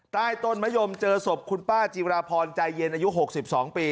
ใต้ต้นมะยมเจอศพคุณป้าจิราพรใจเย็นอายุ๖๒ปี